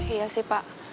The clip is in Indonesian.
iya sih pak